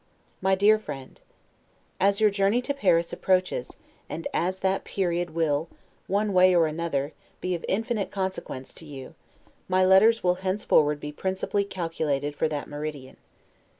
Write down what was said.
MY DEAR FRIEND: As your journey to Paris approaches, and as that period will, one way or another, be of infinite consequence to you, my letters will henceforward be principally calculated for that meridian.